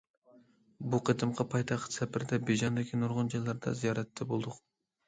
بۇ قېتىمقى پايتەخت سەپىرىدە بېيجىڭدىكى نۇرغۇن جايلاردا زىيارەتتە بولدۇق.